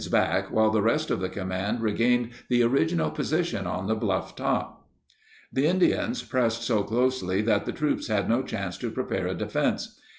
held the Indians back while the rest of the command regained the original position on the bluff top. The Indians pressed so closely that the troops had no chance to prepare a defense.